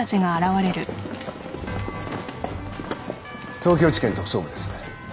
東京地検特捜部です。